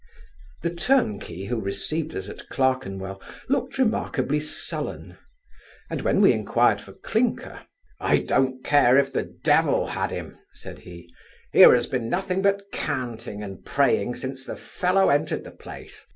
The turnkey, who received us at Clerkenwell, looked remarkably sullen; and when we enquired for Clinker, 'I don't care, if the devil had him (said he); here has been nothing but canting and praying since the fellow entered the place.